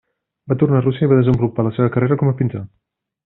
Va tornar a Rússia i va desenvolupar la seva carrera com a pintor.